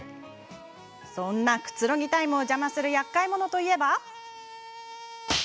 そんなくつろぎタイムを邪魔するやっかい者といえば。